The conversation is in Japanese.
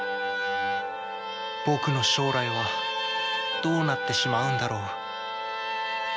僕の将来はどうなってしまうんだろう？